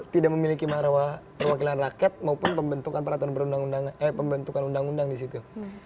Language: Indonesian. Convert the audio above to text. tidak memiliki maharawa perwakilan rakyat maupun pembentukan undang undang di situ